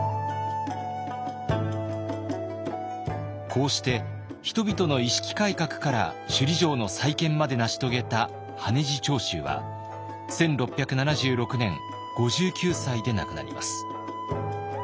こうして人々の意識改革から首里城の再建まで成し遂げた羽地朝秀は１６７６年５９歳で亡くなります。